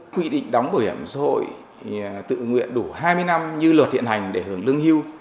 quy định đóng bảo hiểm xã hội tự nguyện đủ hai mươi năm như luật hiện hành để hưởng lương hưu